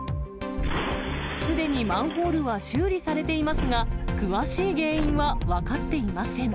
すでにマンホールは修理されていますが、詳しい原因は分かっていません。